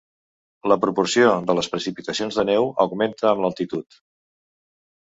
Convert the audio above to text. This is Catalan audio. La proporció de les precipitacions de neu augmenta amb l'altitud.